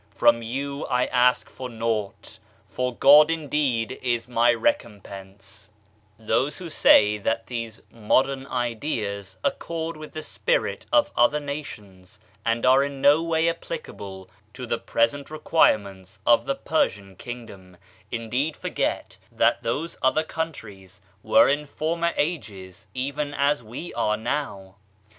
"From you I ask for naught, for God indeed is my recompense." 18 Digitized by Google OF CIVILIZATION Those who say that these modern ideas accord with the spirit of other nations, and are in no way applicable to the present requirements of the Per sian kingdom, indeed forget that those other coun tries were in former ages even as we are now.